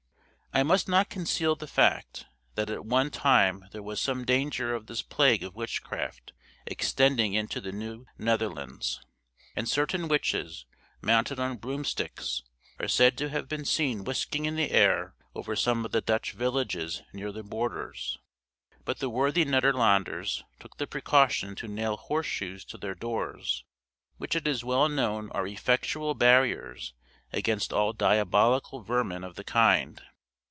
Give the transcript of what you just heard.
I must not conceal the fact, that at one time there was some danger of this plague of witchcraft extending into the New Netherlands; and certain witches, mounted on broomsticks, are said to have been seen whisking in the air over some of the Dutch villages near the borders; but the worthy Nederlanders took the precaution to nail horse shoes to their doors, which it is well known are effectual barriers against all diabolical vermin of the kind.